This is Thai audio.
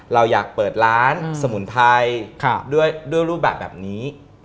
เราอยากเปิดร้านสมุนไพรด้วยรูปแบบแบบนี้